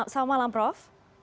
selamat malam prof